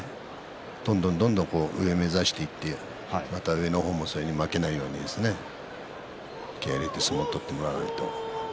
どんどんどんどん上を目指していってまた上の方もそれに負けないように気合いを入れて相撲を取ってもらわないと。